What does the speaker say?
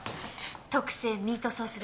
特製ミートソースです。